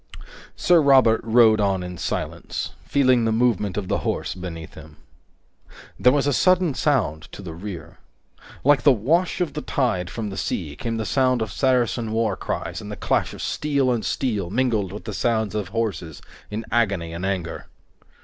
Sir Robert rode on in silence, feeling the movement of the horse beneath him. There was a sudden sound to the rear. Like a wash of the tide from the sea came the sound of Saracen war cries and the clash of steel on steel mingled with the sounds of horses in agony and anger.